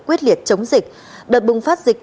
quyết liệt chống dịch đợt bùng phát dịch